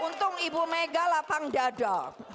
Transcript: untung ibu megawati lah pang dada